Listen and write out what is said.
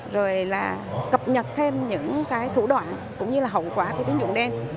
rồi là cập nhật thêm những cái thủ đoạn cũng như là hậu quả của tín dụng đen